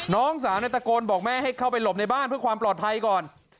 น้องสาวตะโกนบอกแม่ให้เข้าไปหลบในบ้านเพื่อความปลอดภัยก่อน